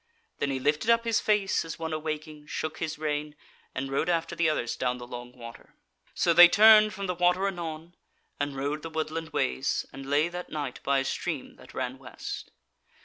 Then he lifted up his face as one awaking, shook his rein, and rode after the others down the long water. So they turned from the water anon, and rode the woodland ways, and lay that night by a stream that ran west.